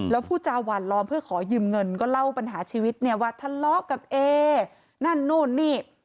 แล้วผู้จาหวานล้อมเพื่อขอยืมเงินก็เล่าปัญหาชีวิตเนี่ยว่าทะเลาะกับเอนั่นนู่นนี่